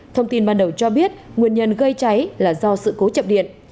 thông tin ban đầu cho biết nguyên nhân gây cháy là do sự cố chập điện